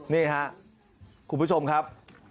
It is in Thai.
นี่ครับคุณผู้ชมครับ